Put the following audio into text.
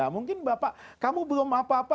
mungkin bapak kamu belum apa apa